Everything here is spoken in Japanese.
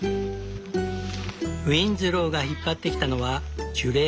ウィンズローが引っ張ってきたのは樹齢